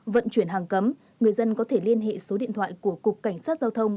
vận chuyển hàng cấm người dân có thể liên hệ số điện thoại của cục cảnh sát giao thông